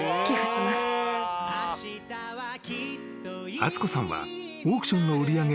［敦子さんはオークションの売り上げ